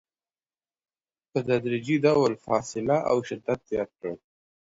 په تدریجي ډول فاصله او شدت زیات کړئ.